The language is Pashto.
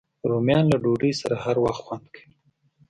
رومیان له ډوډۍ سره هر وخت خوند کوي